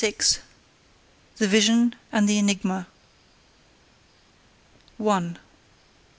XLVI. THE VISION AND THE ENIGMA.